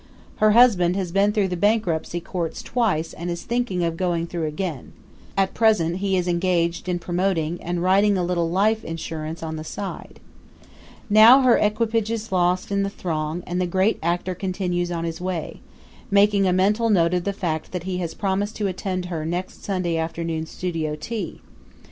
Her husband has been through the bankruptcy courts twice and is thinking of going through again. At present he is engaged in promoting and writing a little life insurance on the side. Now her equipage is lost in the throng and the great actor continues on his way, making a mental note of the fact that he has promised to attend her next Sunday afternoon studio tea.